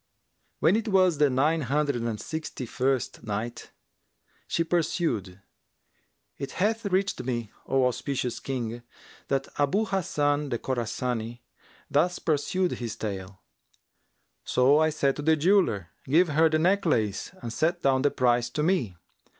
When it was the Nine Hundred and Sixty first Night, She pursued, It hath reached me, O auspicious King, that Abu Hasan the Khorasani thus pursued his tale, "So I said to the jeweller, 'Give her the necklace and set down the price to me.'